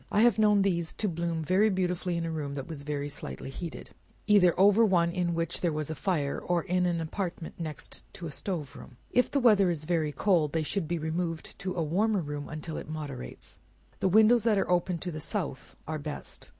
I have known these to bloom beautifully in a room that was very slightly heated either over one in which there was fire, or in an apartment next a stove room. If the weather is very cold, they should be removed to a warmer room, until it moderates. The windows that are open to the south are best.